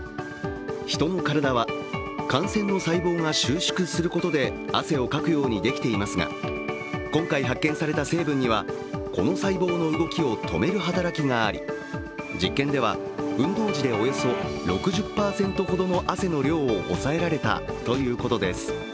人の体は汗腺の細胞が収縮することで汗をかくようにできていますが今回発見された成分には、この細胞の動きを止める働きがあり、実験では運動時でおよそ６０％ほどの汗の量を抑えられたということです。